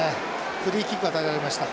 フリーキックが与えられました。